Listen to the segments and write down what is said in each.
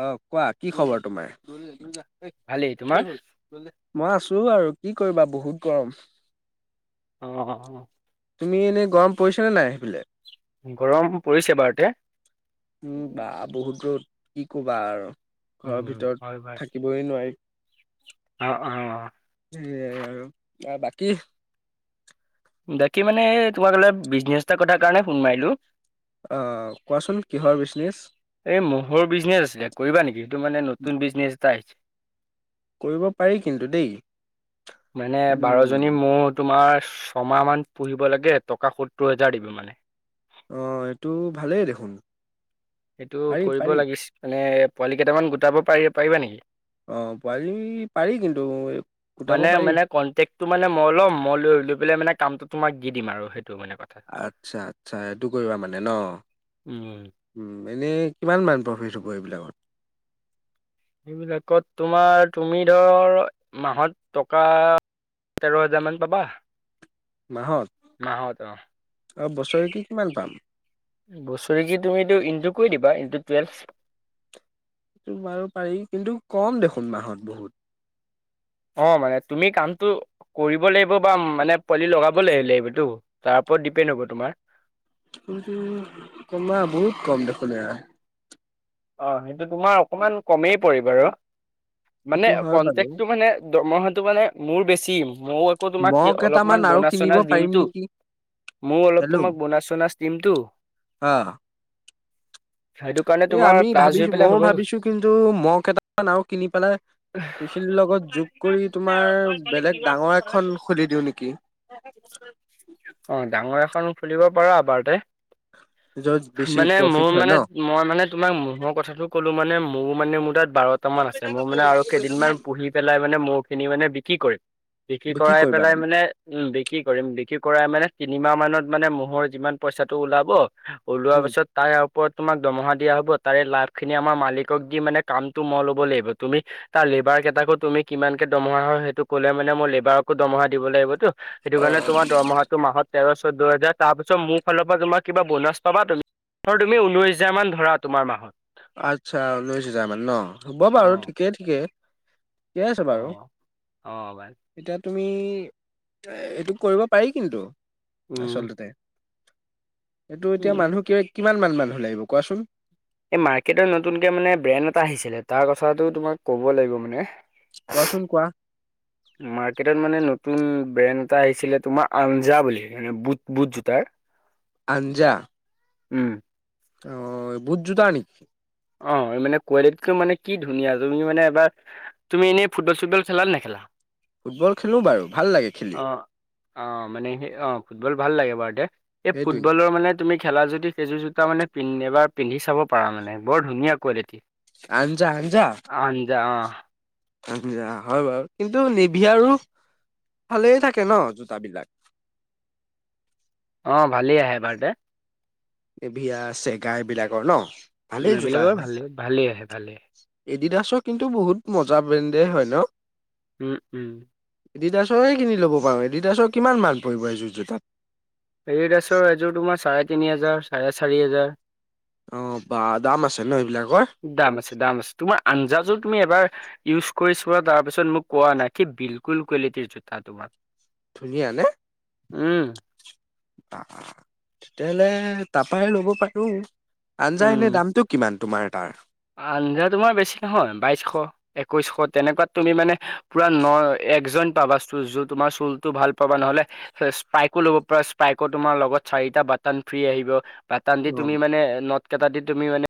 আহ কোৱা কি খবৰ তোমাৰ? ভালেই তোমাৰ? মই আছো আৰু কি কৰিবা বহুত গৰম। [inaudible] অহ, তুমি এনেই গৰম পৰিছেনে নাই সেইফালে? গৰম পৰিছে বাৰুতে উম বা বহুত দূৰত কি ক'বা আৰু ঘৰৰ ভিতৰত থাকিবই নোৱাৰি অহ অহ তাপা বাকী বাকী মানে তোমাক লৈ বিজনেছ এটা কথা কাৰণে ফোন মাৰিলো অ কোৱাচোন কিহৰ বিজনেছ এই মহৰ বিজনেছ আছিলে কৰিবা নেকি এইটো মানে নতুন বিজনেছ এটা আহিছে কৰিব পাৰি কিন্তু দেই। মানে বাৰ জনী উম, মহ তোমাৰ ছমাহ মান পুহিব লাগে টকা সত্তৰ হেজাৰ দিব মানে অ এইটো ভালেই দেখোন সেইটো পাৰি কৰিব পাৰি লাগিছিল মানে পোৱালি কেইটামান গোটাব পাৰি পাৰিবা নেকি অ' পোৱালি পাৰি কিন্তু গোটাব মানে পাৰি। মানে কন্টেকটো মানে মই লম মই লৈলো বোলে মানে কামটো তোমাক দি দিম আৰু সেইটো মানে কথা আচ্ছা আচ্ছা সেইটো কৰিবা মানে ন উম। উম মানে কিমান মান প্ৰফিট হ'ব এইবিলাকত সেইবিলাকত তোমাৰ তুমি ধৰ মাহত টকা তেৰ হাজাৰ মান পাবা মাহত মাহত অ অ বছৰেকী কিমান পাম বছৰি কি তুমিটো ইনটু কৰি দিবা ইনটু টুৱেলভ সেইটো বাৰু পাৰি কিন্তু কম দেখোন মাহত বহুত অ মানে তুমি কামটো কৰিব লাগিব বা মানে পোৱালি লগাব লাগি লাগিবটো তাৰ ওপৰত ডিপেণ্ড হ'ব তোমাৰ কিন্তু ছমাহ বহুত কম দেখোন এয়া অ সেইটো তোমাৰ অকমান কমেই পৰিব আৰু সেইটো মানে হয় বাৰু কনটেক্টটো মানে মই হয়টো মানে মোৰ বেছি মও আকৌ তোমাক মহ কি কেইটামান অলপমান আৰু বোনাছ কিনিব চোনাছ পাৰিম দিমতো নেকি মোৰ অলপ হেল্ল' তোমাক বোনাছ চোনাছ দিমটো অ সেইটো কাৰণে তোমাৰ হৈ ভাবিছোঁ পেলাই মও হ'ব ভাবিছোঁ কিন্তু মহ কেইটামান আৰু কিনি পেলাই সেইখিনিৰ লগত যোগ কৰি তোমাৰ বেলেগ ডাঙৰ এখন খুলি দিওঁ নেকি অহ ডাঙৰ এখন খোলিব পাৰা আবাৰতে য'ত বেছি মানে প্ৰফিট মোৰ হয় মানে ন মই মানে তোমাক টো ক'লো মানে মোৰ মানে মোৰ তাত বাৰটা মান আছে। মই মানে আৰু কেইদিনমান পুহি পেলাই মানে মৌ খিনি মানে বিক্ৰী কৰিম। বিক্ৰী কি কৰাই কৰিবা পেলাই মানে উম বিক্ৰী কৰিম বিক্ৰী কৰাই মানে তিনিমাহ মানত মানে মহৰ যিমান পইচাটো ওলাব ওলোৱা উম পাছত তাই ওপৰত তোমাক দৰমহা দিয়া হ'ব। তাৰে লাভ খিনি আমাৰ মালিকক দি মানে কামটো ম‌ই ল'ব লাগিব, তুমি তাৰ লেবাৰ কেইটাকো তুমি কিমান দৰমহা হয় সেইটো ক'লে মানে মোৰ লেবাৰকো দৰমহা দিব লাগিবতো। সেইটো কাৰণে অ' তোমাৰ দৰমহাটো মাহত তেৰ চৈধ্য দুহেজাৰ তাৰপিছত মোৰ ফালৰ পৰা তোমাৰ কিবা বোনাছ পাবা তুমি, ধৰ তুমি ঊনৈছ হেজাৰমান ধৰা তোমাৰ মাহত আচ্ছা উনৈশ হেজাৰ মান ন, হ'ব বাৰু অ', ঠিকেই ঠিকে। ঠিকেই আছে বাৰু অ', বাই এতিয়া তুমি এইটো কৰিব পাৰি কিন্তু, উম, আচলতে এইটো এতিয়া উম। মানুহ কিয় কিমান মান মানুহ লাগিব কোৱাচোন? মাৰকেটত নতুনকে মানে ব্ৰেণ্ড এটা আহিছিলে। তাৰ কথাটো তোমাক ক'ব লাগিব মানে। কোৱাচোন কোৱা হৌ মাৰ্কেটত মানে ন নতুন ব্ৰেণ্ড এটা আহিছিলে তোমাৰ আঞ্জা বুলি মানে বুট বুট জোতাৰ। আঞ্জা উম অ বুট জোতা নেকি? অহ মানে কোৱালিটিটো মানে কি ধুনীয়া তুমি মানে এবাৰ তুমি এনেই ফুটবল চুটবল খেলা নেখেলা ফুটবল খেলো বাৰু ভাল লাগে খেলি। অহ মানে সেই অহ ফুটবল ভাল লাগে বাৰু তে এই সেইটোৱে ফুটবলৰ মানে তুমি খেলা যদি সেই জোতা মানে এবাৰ পিন্ধি চাব পাৰা মানে বৰ ধুনীয়া কোৱালিটি। আঞ্জা আঞ্জা আঞ্জা অ'। আঞ্জা হয় বাৰু। কিন্তু নিভি আৰু ভালেই থাকে ন জোতা বিলাক। অহ ভালেই আহে এবাৰতে এভিয়া, চেগা এইবিলাকৰ ন ভালেই জোতা এইবিলাকৰ ভালে ভালেই আহে ভালেই। এডিডাছ কিন্তু বহুত মজা ব্ৰেণ্ডে হয় ন, উম, উম। এডিডাছৰে কিনি ল'ব পাৰো এডিডাছৰ কিমান মান পৰিব এজোৰ জোতাত? এডিডাছৰ এজোৰ তোমাৰ চাৰে তিনি হাজাৰ, চাৰে চাৰি হজাৰ। অহ বা দাম আছে ন এইবিলাক। দাম আছে দাম আছে তোমাৰ আঞ্জাজো তুমি এবাৰ ইউজ কৰি চোৱা আৰু তাৰপিছত মোক কোৱা না কি বিলকুল কোৱালিটিৰ জোতা তোমাৰ ধুনীয়া নে? উম। আহ তেতিয়াহ'লে তাৰপাই লব পাৰো। আঞ্জা উম, এনে দামটো কিমান তোমাৰ তাৰ? কৈছো ক তেনেকুৱাত তুমি মানে পুৰা ন একজন পাবা চুল য তোমাৰ চুলতটো ভাল পাবা নহ'লে। স্পাইকো ল'ব পাৰা স্পাইকো তোমাৰ লগত চাৰিটা বাটান ফ্ৰী আহিব। বাটান দি তুমি অ', মানে নদ কেইটা দি তুমি মানে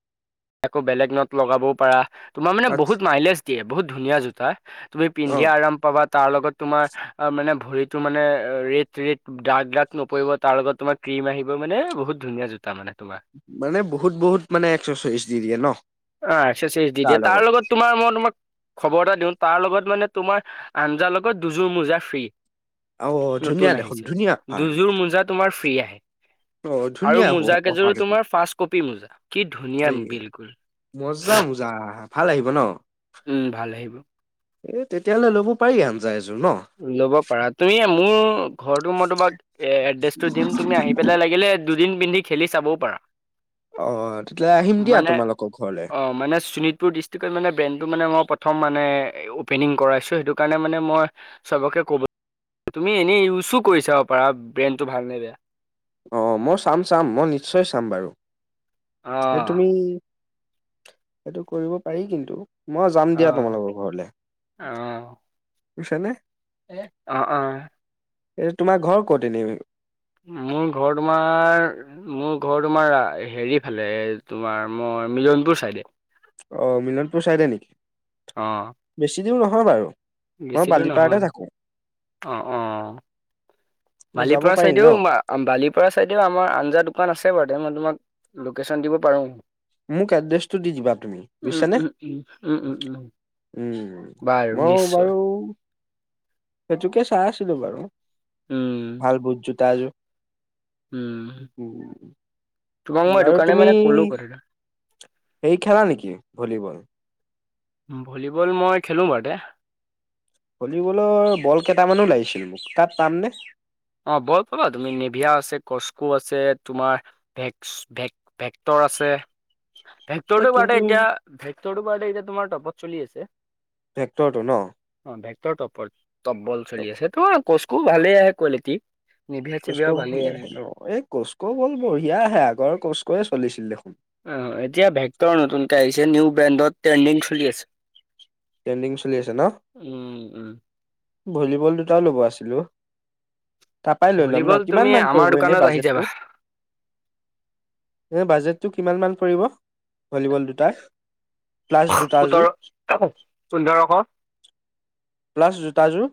আকৌ বেলেগ নদ লগাবও পাৰা। তোমাৰ মানে আচ্ছা। বহুত মাইলেজ দিয়ে, বহুত ধুনীয়া জোতা, তুমি পিন্ধি অ', আৰাম পাবা। তাৰ লগত তোমাৰ মানে ভৰিতো মানে ৰেট ৰেত ডাগ ডাগ নপৰিব তাৰ লগত তোমাৰ টিম আহিব মানে বহুত ধুনীয়া জোতা মানে। তোমাৰ মানে বহুত বহুত মানে একশ চ‌ইশ দি দিয়ে ন। অ এক্সাৰচাইজ দি দিয়ে। তাৰ লগত তোমাৰ মন। মক খবৰ এটা দিওঁ তাৰ লগত মানে তোমাৰ আঞ্জা লগত দুযোৰ মোজা ফ্ৰী। অ', নতুন ধুনীয়া দেখোন আহিছে। ধুনীয়া অফাৰ দুযোৰ মোজা তোমাৰ ফ্ৰী আহে অ', আৰু ধুনীয়া মোজা অফাৰ কেইযোৰো দেখোন। তোমাৰ ফাৰ্ষ্ট কপি মোজা কি ধুনীয়া এই বিলকুল। মজা মজা ভাল আহিব ন। উম ভাল আহিব। এ তেতিয়াললে লব পাৰি হন যায়। লব পাৰা তুমি মোৰ। ঘৰটো মই তোমাক এড্ৰেছটো দিম তুমি আহি পেলাই লাগিলে দুদিন পিন্ধি খেলি চাবও পাৰা। অ', তেতিয়াহ'লে আহিম দিয়া মানে তোমালোকৰ ঘৰলে। অ মানে সুনিত। ডিষ্ট্ৰিক্টত মানে ব্ৰেণ্ডটো মানে মই প্ৰথম মানে অ'পেনিং কৰাইছোঁ সেইটো কাৰণে মানে মই। চবকে ক'ব তুমি এনে ইউজো কৰিছা পাৰা ব্ৰেইনটো ভাল নে বেয়া। অ মই চাম-চাম মই নিশ্চয় চাম বাৰু অ তুমি। সেইটো কৰিব পাৰি কিন্তু। মই যাম অ দিয়া তোমালোকৰ ঘৰলে অ বুজিছা নে? অ-অ [inaudible] এই তোমাৰ ঘৰ ক'ত এনেই? [unintelligible] মোৰ ঘৰ তোমাৰ মোৰ ঘৰ তোমাৰ হেৰি ফালে তোমাৰ মই। মিলনপুৰ চাইডে। অ মিলনপুৰ চাইডে নেকি? আহ। বেছি দূৰ নহয় বাৰু। মই বেছি দূৰ বালিপাৰাতে থাকো নহয় অঁ-অঁ। যাব বালিপৰা পাৰি চাইদেও ন' বালিপৰা চাইদেও আমাৰ আঞ্জা দোকান আছে বাৰু ত। তোমাক লোকেশ্যন দিব পাৰোঁ। মোক এড্ৰেছটো দি দিবা তুমি উম বুজিছানে? উম উম উম উম উম উম-উম মইও। হয়চ। সেইটোকে চাই আছিলো বাৰু উম ভাল বুট জোতা এযোৰ। উম। তোমাক মই এইটো বাৰু কাৰণে তুমি মানে ক'লো কথাটো হেৰি খেলা নেকি ভলীবল। ভলীবল মই খেলো বাৰু দে। ভলীবলৰ বল কেইটামানো লাগিছিল মোক তাত পামনে? অ বল পাবা তুমি নিভিয়া আছে। কস্কো আছে তোমাৰ ভেক-ভেক-ভেক্টৰ আছে। এই ভেকক্টৰ বাৰে কিন্তু এতিয়া ভেকক্টৰৰ বাৰে এতিয়া তোমাৰ টপত চলি আছে। ভেক্টৰটো ন। অ ভেক্টৰ টপৰ টপ্বল চলি আছে কচকো ভালে আহে কোৱালিটি নিভিয়া কোচকো চিভিয়া ভালেই ভালে আহে এনেও কোচকো বল বঢ়িয়া আহে আগৰ কোচকোয়ে চলিছিল দেখোন। এতিয়া ভেক্টৰ নতুনকৈ আহিছে নিউ ব্ৰেণ্ডত ট্ৰেণ্ডিং চলি আছে। টেণ্ডিং চলি আছে ন? উম উম ভলীবল দুটাও ল'ব আছিল অ তাৰপৰাই লৈ ল'ম ন ভলীবল কিমান তুমি মান আমাৰ পৰিব এনেই দোকানত আহি যাবা বাজেটবোৰ? এই বাজেটটো কিমান মান পৰিব ভলীবল দুটা প্লাছ জোতা এযোৰ পোন্ধৰশ প্লাছ জোতাযোৰ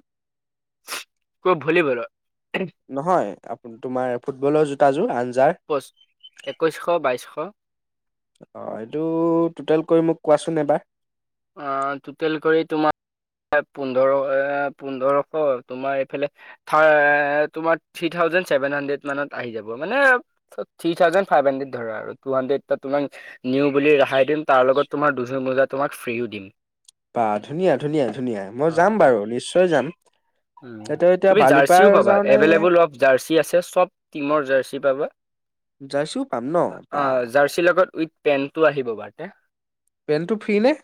কৰ ভলীবলত নহয় আপ তোমাৰ ফুটবলৰ জোতাযোৰ আন পচ একৈছশ বাইছশ অ এইটো টুটেল কৰি মোক কোৱাচোন এবাৰ অআহ টুটেল কৰি তোমাৰ পোন্ধৰ এ পোন্ধৰশ তোমাৰ এইফালে তোমাৰ থাৰ থ্ৰি থাউজেণ্ড ছেভেন হান্ড্ৰেড মানত আহি যাব মানে থ্ৰী থাউজেন্ড ফাইভ হান্ড্ৰেড ধৰা আৰু টু হান্ড্ৰেড ততোৱান নিওঁ বুলি ৰেহাই দিম তাৰ লগত তোমাৰ দুজু মোজা তোমাক ফ্ৰীও দিম বাহ ধুনীয়া ধুনীয়া ধুনীয়া মই অ যাম অ বাৰু নিশ্চয় যাম এইটো এতিয়া তুমি বালিপাৰ জাৰ্চিও পাবা যাওঁনে এভেইলেবল অফ জাৰ্চি আছে চব টিমৰ জাৰ্চি পাবা জাৰ্চিও পাম ন বা অ জাৰ্চিৰ লগত উইথ পেন্টটো আহিব বাৰতে পেণ্টটো ফ্ৰী নে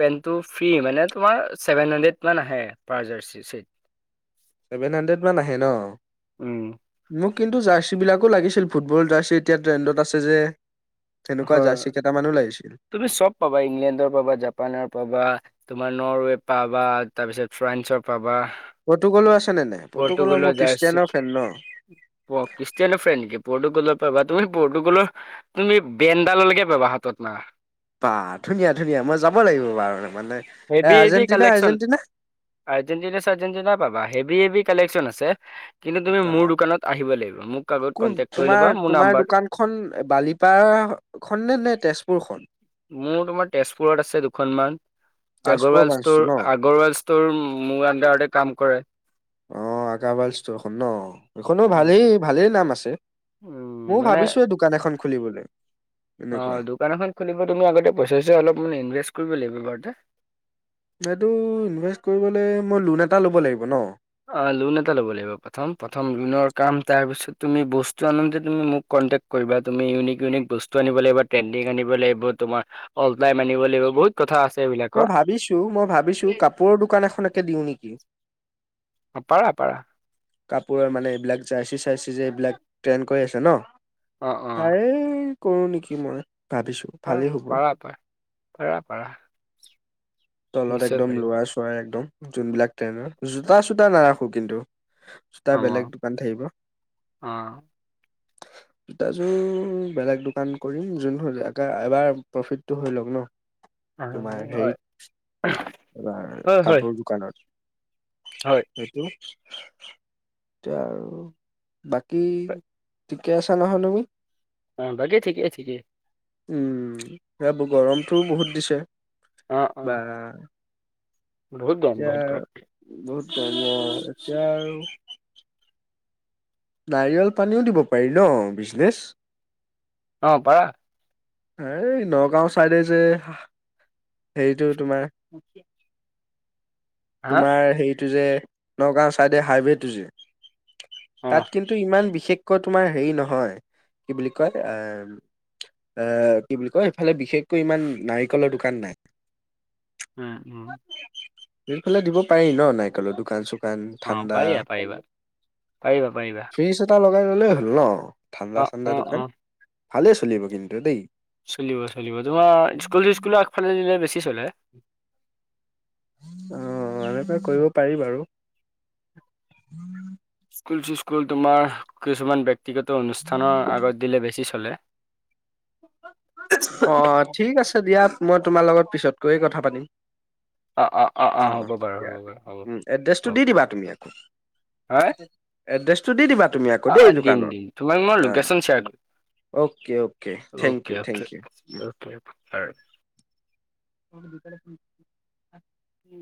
পেন্টটো ফ্ৰী মানে তোমাৰ ছেভেন হান্ড্ৰেড মান আহে পাৰ জাৰ্চি চেট ছেভেন হান্ড্ৰেড মান আহে ন উম মোক কিন্তু জাৰ্চি বিলাকো লাগিছিল ফুটবল জাৰ্চি এতিয়া ট্ৰেণ্ডত আছে যে সেনেকুৱা হয় জাৰ্চি কেইটামানো লাগিছিল তুমি চব পাবা ইংলেণ্ডৰ পাবা জাপানৰ পাবা মন'ৰ ৱে পাবা তাৰপিছত ফ্ৰাঞ্চৰ পাবা পৰ্তুগলো আছে নে নাই? পৰ্তুগলৰ মই জাৰ্চি খ্ৰীষ্টিয়ানৰ ফেন ন। খ্ৰিষ্টিয়ান ফ্ৰেণ্ড নেকি পৰ্টোগলৰ পাবা তুমি পৰ্টুগলৰ তুমি ব্ৰেণ্ডডালৰ লৈকে পাবা হাতত মাৰা বা ধুনীয়া ধুনীয়া মই যাব লাগিব বাৰু মানে এ heavy heavy Argentina collection Argentina Argentina চাৰজেণ্টিনা পাবা আহ হেভি হেভি কালেকশ্যন আছে কিন্তু তুমি বা মোৰ দোকানত আহিব লাগিব মোক আগত কোন কন্টেকট কৰি তোমাৰ ল'বা মোৰ তোমাৰ নাম্বাৰ দোকানখন বালিপাৰা খন নে নে তেজপুৰ খন মোৰ তোমাৰ তেজপুৰত আছে দুখনমান তেজপুৰ আগৰৱাল ব্ৰাঞ্চটো ষ্টৰ ন? আগৰৱাল ষ্টৰ মোৰ আন্দাৰতে কাম কৰে অ আকা বাইল ষ্ট'ৰখন ন এইখনো উম, ভালেই ভালেই নাম আছে উম, ময়ও মানে ভাবিছো এই দোকান এখন খুলিবলৈ অ এনেকুৱা। দোকান এখন খুলিব তুমি আগতে পইচা চৈচা অলপমান ইনভেষ্ট কৰিব লাগিব বাৰু এইটো ইনভেষ্ট কৰিবলৈ মই লোণ এটা ল'ব লাগিব ন অ লোণ এটা লব লাগিব প্ৰথম প্ৰথম লোণৰ কাম তাৰ পিছত তুমি বস্তু আনুতে তুমি মোক কণ্টেক কৰিবা তুমি ইউনিক ইউনিক বস্তু আনিব লাগিব ট্ৰেন্দিং আনিব লাগিব তোমাৰ অল্ টাইম আনিব লাগিব। বহুত কথা আছে এইবিলাকৰ মই ভাবিছো মই ভাবিছো কাপোৰৰ দোকান এখনকে দিওঁ নেকি অ পাৰা পাৰা কাপোৰৰ মানে এইবিলাক জাৰ্চি চাৰ্চি যে এইবিলাক ট্ৰেণ্ড কৰি আছে ন অ অ তাৰে কৰো নেকি মই ভাবিছো পাৰা ভালেই হ'ব পাৰা পাৰা পাৰা পাৰা তলত নিশ্চয় একদম পাৰিবা লৰা চৰা একদম যোনবিলাক ট্ৰেইনৰ জোতা চোতা নাৰাখো কিন্তু জোতা অ বেলেগ দোকান থাকিব অ [inaudible] জোতাযোৰ বেলেগ দোকান কৰিম যোন এবাৰ প্ৰফিটটো হৈ লওক ন তোমাৰ হয় হয় হেৰিত তোমাৰ হয় হয় কাপোৰ দোকানত হয় সেইটো [unintelligible] এতিয়া আৰু বাকী হয়। ঠিকে আছা নহয় তুমি অ বাকী ঠিকেই ঠিকেই উম এতিয়া গৰমটোও বহুত দিছে অ অ বা বহুত গৰম এতিয়া বহুত গৰম বহুত ধুনীয়া এতিয়া আৰু নাৰিকল পানীও দিব পাৰি ন বিজনেছ অ পাৰা এই নগাঁও চাইডে যে সেইৰিটো তোমাৰ হা তোমাৰ হেৰিটো যে নগাঁও চাইডে হাইৱেটো যে অ তাত কিন্তু ইমান বিশেষকৈ তোমাৰ হেৰি নহয় কি বুলি কয় এ এ কি বুলি কয় এইফালে বিশেষকৈ ইমান নাৰিকলৰ দোকান নাই উম উম ফালে দিব পাৰি ন নাইকলৰ দোকান চোকান [unintelligible] অ ঠাণ্ডা পাৰিবা পাৰিবা পাৰিবা পাৰিবা ফ্ৰিজ এটা লগাই ললেই হ'ল ন ঠাণ্ডা অ ঠাণ্ডা অ দোকান অ ভালেই চলিব কিন্তু দেই। চলিব চলিব তোমাৰ স্কুল চিস্কুল আগফালে দিলে বেছি চলে। অ এনেকুৱা কৰিব পাৰি বাৰু। স্কুল চিস্কুল তোমাৰ কিছুমান ব্যক্তিগত অনুষ্ঠানৰ আগত দিলে বেছি চলে। অ ঠিক আছে দিয়া। মই তোমাৰ লগত পিছতকৈয়ে কথা পাতিম। অ অ হ'ব বাৰু হ'ব বাৰু হ'ব উ এড্ৰেছটো হ'ব দি দিবা তুমি আকৌ হা এড্ৰেছ অ দিম দিম তোমাক মই লোকেশচন শ্বেয়াৰ অ'কে অ'কে কৰিম। Thank you thank okay you okay [unintelligible] [unintelligible] [inaudible]